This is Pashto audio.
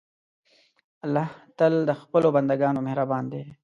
الله تل د خپلو بندهګانو مهربان دی.